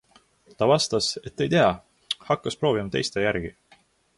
Ta vastas, et ei tea, hakkas proovima teiste järgi.